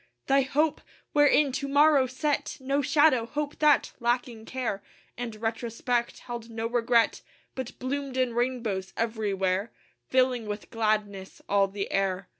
Thy hope! wherein To morrow set No shadow; hope that, lacking care And retrospect, held no regret, But bloomed in rainbows everywhere Filling with gladness all the air.